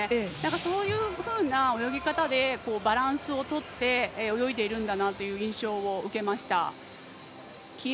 そういうふうな泳ぎ方でバランスをとって泳いでいるんだなという印象を受けました。